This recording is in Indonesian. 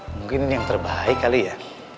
mungkin yang terbaik kali ya